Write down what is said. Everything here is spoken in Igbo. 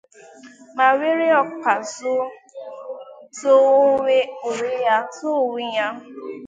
ma were ọkpà zọọ onwe ya